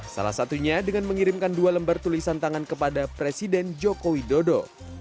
salah satunya dengan mengirimkan dua lembar tulisan tangan kepada presiden joko widodo